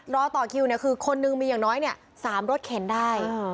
รอต่อคิวคือคนหนึ่งมีอย่างน้อย๓รถเข็นได้